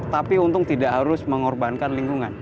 tapi untung tidak harus mengorbankan lingkungan